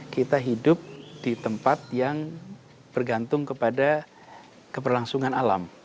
kita hidup di tempat yang bergantung kepada keberlangsungan alam